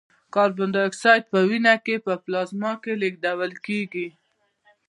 کاربن دای اکساید په وینه کې په پلازما کې لېږدول کېږي.